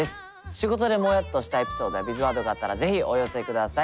仕事でモヤっとしたエピソードやビズワードがあったら是非お寄せください。